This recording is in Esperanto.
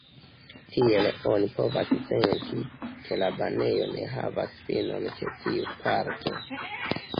Tiel oni povas senti, ke la banejo ne havas finon ĉe tiu parto.